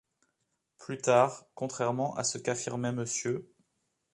Plus tard, contrairement à ce qu'affirmait Mr.